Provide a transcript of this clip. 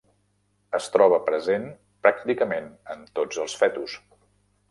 Es troba present pràcticament en tots els fetus.